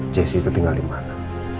js itu tinggal di mana